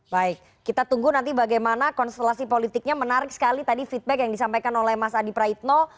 baik kita tunggu nanti bagaimana konstelasi politiknya menarik sekali tadi feedback yang disampaikan oleh mas adi praitno